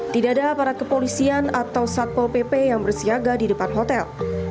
tidak ada aparat kepolisian atau satpol pp yang bersiaga di depan hotel